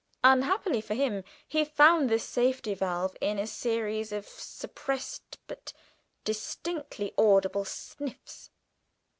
Unhappily for him he found this safety valve in a series of suppressed but distinctly audible sniffs.